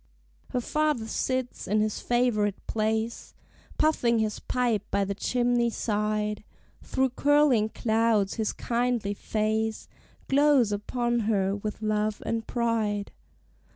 Her father sits in his favorite place, Puffing his pipe by the chimney side; Through curling clouds his kindly face Glows upon her with love and pride.